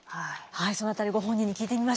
はいその辺りご本人に聞いてみましょう。